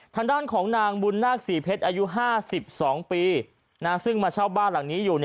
ทางด้านของนางบุญนาคศรีเพชรอายุ๕๒ปีซึ่งมาเช่าบ้านหลังนี้อยู่